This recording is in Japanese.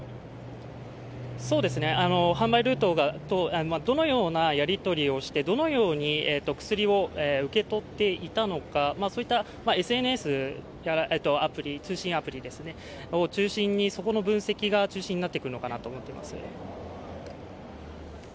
販売ルートと、どのようなやり取りをして、どのように薬を受け取っていたのかそういったＳＮＳ、通信アプリを中心に、そこの分析が中心になってくるのかなと思っています。